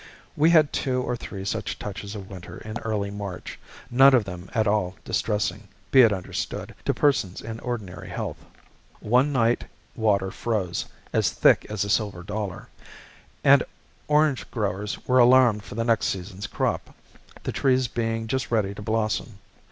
We had two or three such touches of winter in early March; none of them at all distressing, be it understood, to persons in ordinary health. One night water froze, "as thick as a silver dollar," and orange growers were alarmed for the next season's crop, the trees being just ready to blossom.